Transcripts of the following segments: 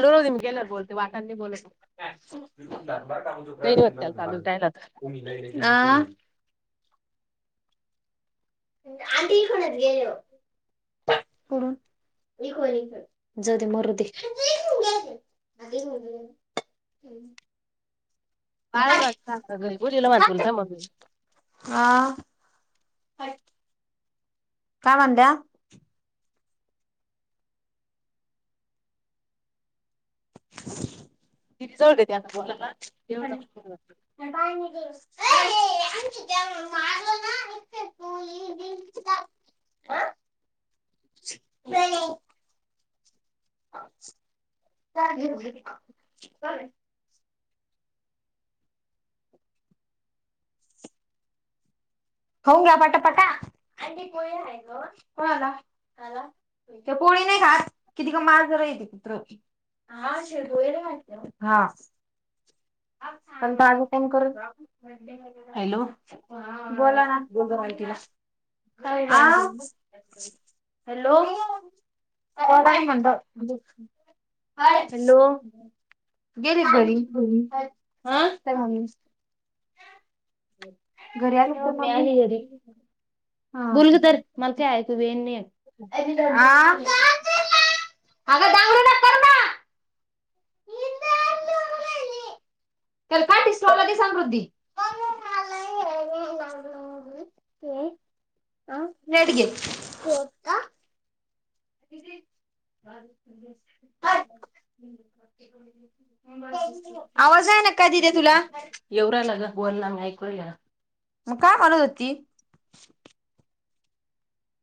लू मी केल्यावर बोलते वाटांनी बोलत [unintelligible] हा आंटी कोणच गेलो जा मरूदे [unintelligible] आ [unintelligible] काय ब द्या [inaudible] ती जवळ बोलाला [unintelligible] [unintelligible] [unintelligible] [unintelligible] होऊ पटा पटा आ नाही घास किती का माल जरा येते कुत्र हा शे होय रा हा [unintelligible] हॅलो बोला ना [unintelligible] का आ हॅलो हो म्हण हॅलो गेली घरी होम हा काय मम्मी घरी आली हो का मम्मी मिळाली घरी हा आ बोलग तर मला का [unintelligible] अग बांगरू ना करणार [inaudible] [unintelligible] [unintelligible] आवाज आहे ना काय दिदे तुला [inaudible] एवरा आला ग वरला म ऐकू ग मग काय म्हणत होती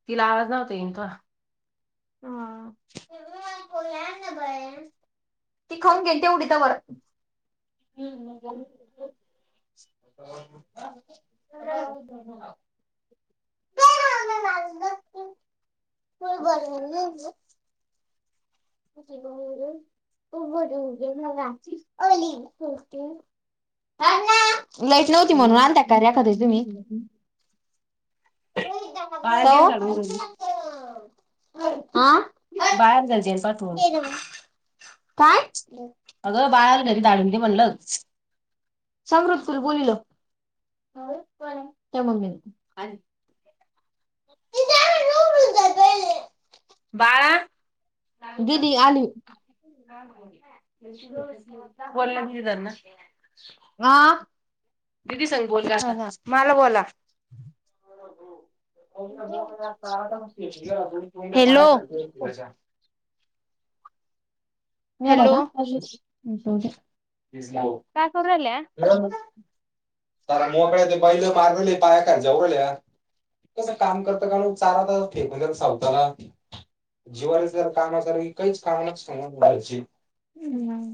तिला आवाज नव्हत इन त ह [unintelligible] ती खाऊन घेईन तेवढी त्या बर हम ह [unintelligible] [unintelligible] लाईट नव्हती म्हणून आण त्या्या का्याखतय तुम्ही [unintelligible] बाहेर जायचे पाठवून काय अगं बाळाार घरी दाडून दे म्हणलंच समृत कुल बोलल त्या मम्मी [unintelligible] बाळा दिली आली [unintelligible] [unintelligible] दिदी सग बोल मला बोला पाण्या हॅलो. खाली यावग हॅलो [unintelligible] [unintelligible] काय करू राहिल्या? तर मोकळ्या ते पहिलं मारले पाया खालच्या. कसं काम करत काण चारता म्हण साऊथला. जीवाच जर काम असे क काहीच काम नच नाही बयच. हम्म.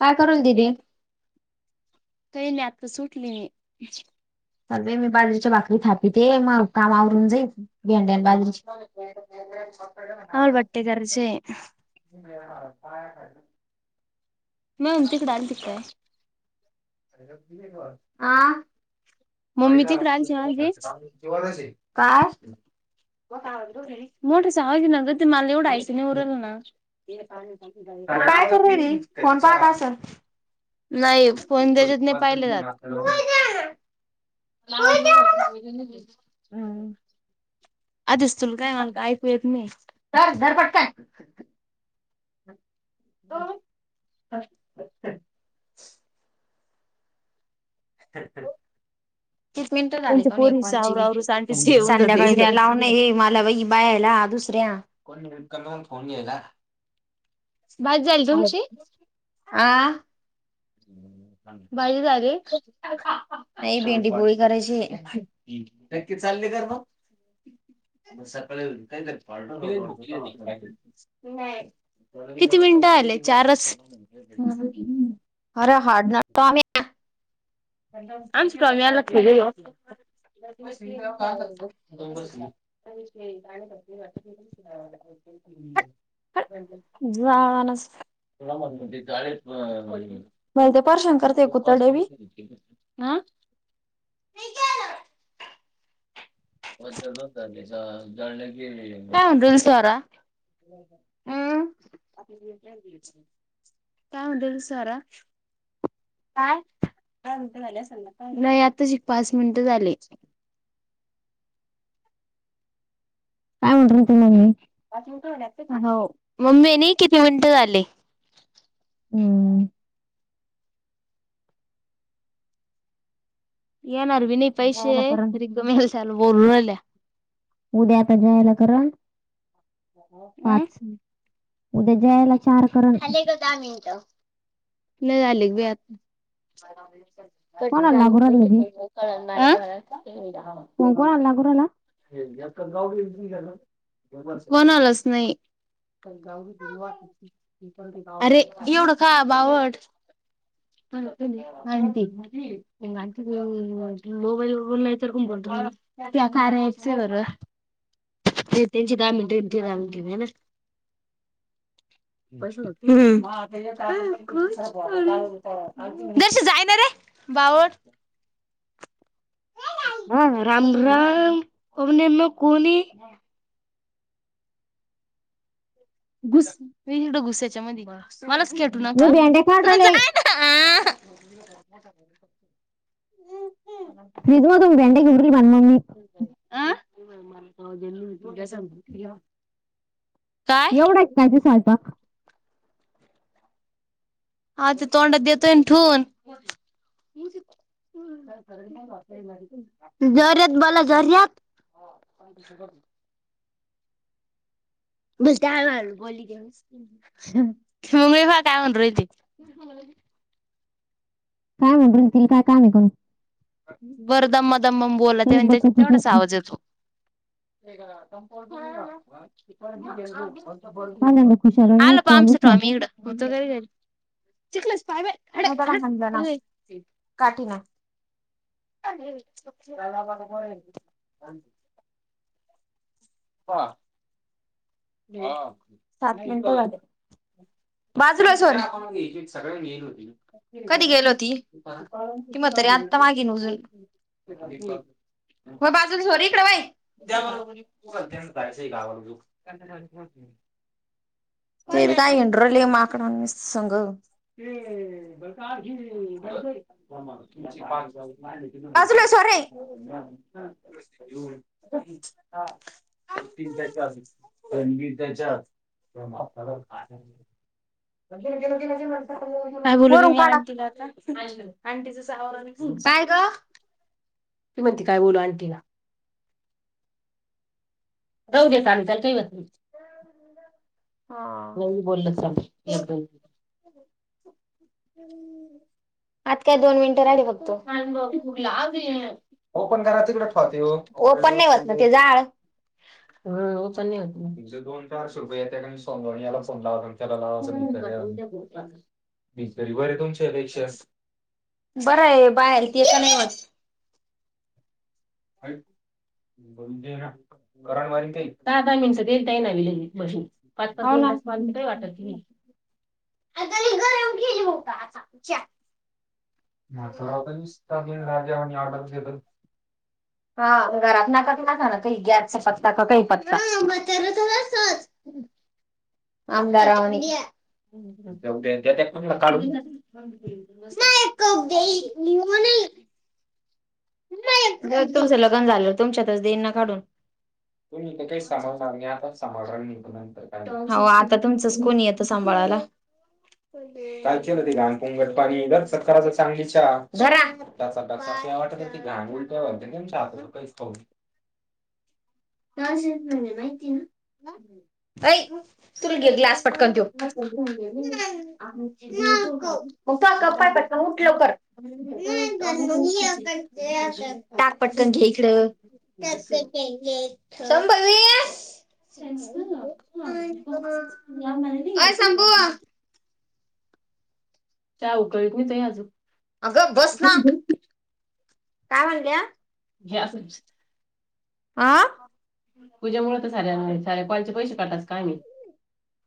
काय करून राहिली दिदी? काही नाही आताच उठविली. स व मी बाजरीच्या भाकरी थापिते मग कामावरून जाई भंड्या बाजरीची आम्हाला बटी करायचे आहे. काय का. मग तिकड आली तिकड. ला मम्मी ब तिकडे आलती माझी [unintelligible] काय? मोठ सवा न ते मला एवढं आइकु नाही युराहिल ना. बाबा काय करूयरी फोन पाहत असन. नाही फोन त्याच्यात नाही पाहिले जात. आवाजव आपज हम्म. [unintelligible] आधच तुला काय म्हणता ऐकू येत नाही. ह [unintelligible] [inaudible] तीस मिनिटं झाली त्यांच्या पोरीचा काणॉलची आवरू आवरूच आंटीच भेटल हे होऊन जाते इकडं. संध्याकाळी लावून हे मला बाई बाहेर. दुसऱ्या फोनला. भाजी झाली तुमची? आह. भाजी झाली? नाही भेंडी पोळी करायची नक्की चालले कर मग मग सकाळी काय. किती मिनटं झाले चारच. अरे हार्ड [inaudible] म रखे दे [inaudible] ते का [unintelligible] जानस. ते चाळीस महि भलते परेशाा करते कुतरडे बी. आं. काय म्हणत होती स्वरा? आपली. काय म्हणते तु स्वरा? पाच [unintelligible] नाही आता शिकपाच मिंंनट झाले. काय म्हनुन रायती मम्मी? पाच मिनट झाले आताशी मम्मी म्हणे किती मिनिट झाले. हम्म. येणार बी नाही पैसे रिकाम कशाला बोलु राहील्या. उद्या आता जयाला करा. अम. उद्या जयाला झाले ग दहा मिनट नाही झाले अजुन. [inaudible] कोणालाच नाहीं. अरे एवढं का बावलट. रिकामा ऑडिओ [inaudible] [inaudible] [unintelligible] तें त्यांची दहा मिंट आनी तें दहा मिंट [unintelligible] हं. जसे जायना रे [unintelligible] रिकामा ऑडिओ रामराम [unintelligible] घुस घुसड्याच्या मदी [unintelligible] मलाच खेटू मी नका भेंड्या का तु जा ना.. फ्रीज मधून भेंड्या घेऊन येईल म्हण मग मी आं.. [unintelligible] एवढाच पाहिजे सालबा. आ तें तोंडात देतंय ना ठेऊन. जोरात बोला जोरात. रिकामा ऑडिओ [inaudible] रिकामा ऑडिओ [unintelligible] वर दम्म दम्मम बोलला काही तेव्हा त्या बघत होती तेवढासा आवाज येतो. [inaudible] पहिल्यांदा खुशाल नाही कॉल उचल [inaudible] म तरा म्हंजणा घरी. काठी ना. [inaudible] [inaudible] सात मिनट बाजूला हो सोऱ्या. कधी गेलो होतीी कि ती म्हातारी अत्ता मागे [unintelligible] हो बाजूरी सोरी इकडं व्हय. रिकामा ऑडिओ तें काय हाय न रडली माकडांसन्ग. [inaudible] बाजूला सोर रे हम ह हा. [unintelligible] [inaudible] काय बोलूी वरून मी आंटीला आता अँटीच साय ग. ती म्हणती काय बोलू अंटी ला? जाऊ दे काल [unintelligible] रिकामा ऑडिओ हां. आज काय दोन मिनिटं राहिली बघ. [unintelligible] ओपन करा तिकडे ठवते ओपन नाही होत ना ते जाड हा ओपन नाय होत. [inaudible] [unintelligible] बरं आहे बाहेर गेले नाही वाट्त. [unintelligible] ता का मणस ते तयई नावलेली हो ना [unintelligible] [unintelligible] [unintelligible] हा घरात नाका नाका ना काही गॅसचा पत्ता का काही पत्ता आमदारवण [unintelligible] [inaudible] नाही तुमचं लग्न झालं तुमच्यातच देणना काढून तु इथं काही समाजणार नाही आता समा निघ हो आता तुमचंच कोणी येतं सांभाळायला कायचील होती घानपुंग गटपाणी घरच कराच चांगली च्या जचााचा गांग उल का वातम पर काही खऊ नज म्हण माहिती ना [unintelligible] तु ग गला पटकन क पटन उठल टाक पटकन टाक पटकन घ्या इकडं [unintelligible] अ शंभू [unintelligible] अगं बस ना काय म्हणल्या घ अस आा पूजेमुळे तर साऱ्यां कोचे पैसे काटाच का आम्ही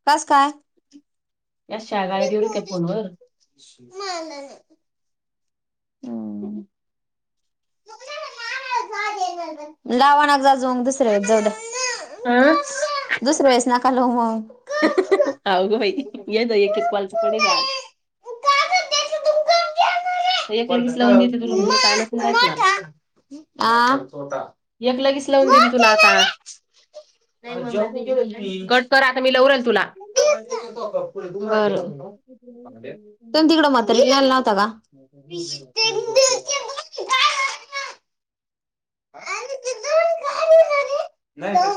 बस काय हे मा नाही हम्म लावणग जाजऊग दुसरे जड आम दुसरे वळेस नकाल मग अ ग भाई ये एक एक क्वालच पडेलज एक लगेच लावून [unintelligible] [unintelligible] [unintelligible] [unintelligible] [unintelligible] [unintelligible] [unintelligible]